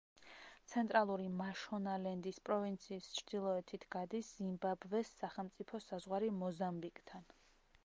ცენტრალური მაშონალენდის პროვინციის ჩრდილოეთით გადის ზიმბაბვეს სახელმწიფო საზღვარი მოზამბიკთან.